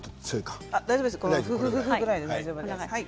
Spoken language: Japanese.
ふっふ、ぐらいで大丈夫です。